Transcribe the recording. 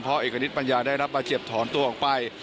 เพราะเอกณิตปัญญาได้รับบาดเจ็บถอนตัวออกไป